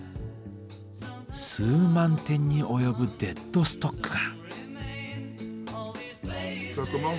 数万点に及ぶデッドストックが。